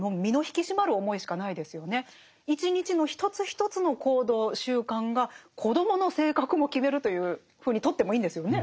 一日の一つ一つの行動習慣が子どもの性格も決めるというふうにとってもいいんですよね。